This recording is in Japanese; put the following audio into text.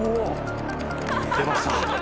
出ました。